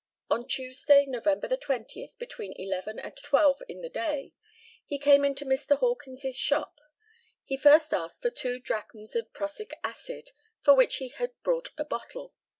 On Tuesday, November the 20th, between eleven and twelve in the day, he came into Mr. Hawkins's shop. He first asked for two drachms of prussic acid, for which he had brought a bottle.